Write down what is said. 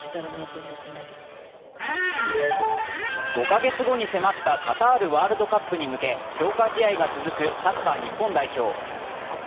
５カ月後に迫ったカタールワールドカップに向け強化試合が続くサッカー日本代表。